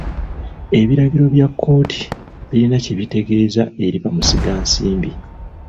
Ebiragiro bya kkooti birina kye bitegeeza eri bamusigansimbi.